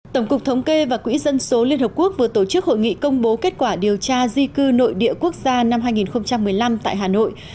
tổng cục thống kê và quỹ dân số liên hợp quốc vừa tổ chức hội nghị công bố kết quả điều tra di cư nội địa quốc gia năm hai nghìn một mươi năm tại hà nội